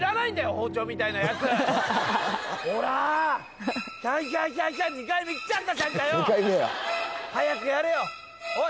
包丁みたいなやつほら「ヒャンヒャンヒャンヒャン」２回目来ちゃったじゃんかよ早くやれよおい